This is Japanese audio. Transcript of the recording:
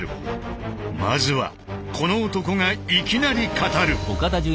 まずはこの男がいきなり語る。